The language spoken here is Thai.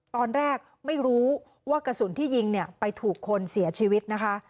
ตอนแรกไม่รู้ว่ากระสุนที่ยิงเนี่ยไปถูกคนเสียชีวิตนะคะ